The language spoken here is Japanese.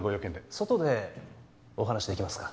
外でお話しできますか？